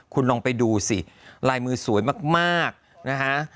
คุณลองไปดูสิลายมือสวยมากนะฮะ